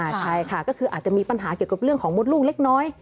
ใช่ค่ะก็คืออาจจะมีปัญหาเกี่ยวกับเรื่องของมดลูกเล็กน้อย